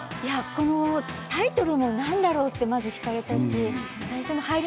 タイトルも何だろう？と引かれたし最初の入り